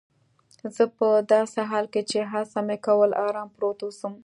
زه په داسې حال کې چي هڅه مې کول آرام پروت اوسم.